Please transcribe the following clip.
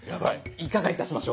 いかがいたしましょう？